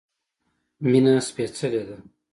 مينه سپيڅلی ده